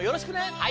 はい。